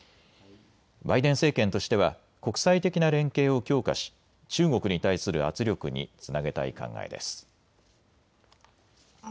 バイデン政権としては国際的な連携を強化し中国に対する圧力につなげたい考えです。